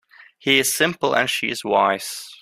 He's simple and she's wise.